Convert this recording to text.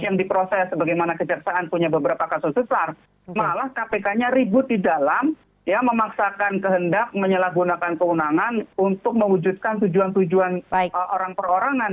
yang diproses bagaimana kejaksaan punya beberapa kasus besar malah kpk nya ribut di dalam ya memaksakan kehendak menyalahgunakan kewenangan untuk mewujudkan tujuan tujuan orang perorangan